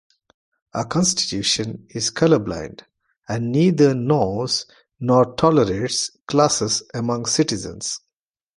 Our Constitution is color-blind, and neither knows nor tolerates classes among citizens.